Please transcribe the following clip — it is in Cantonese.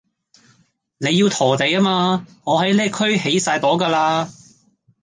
你要陀地吖嘛，我喺呢區起曬朵㗎啦